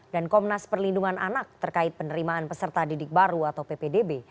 dan komnas perlindungan anak terkait penerimaan peserta didik baru atau ppdb